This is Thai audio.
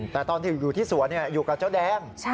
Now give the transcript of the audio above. แต่ตอนที่อยู่ที่สวนอยู่กับเจ้าแดง